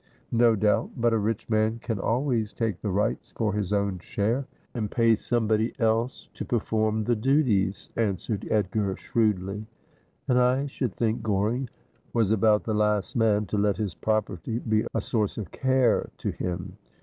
' No doubt. But a rich man can always take the rights for his own share, and pay somebody else to perform the duties,' answered Edgar shrewdly. ' And I should think Goring was about the last man to let his property be a source of care to him.'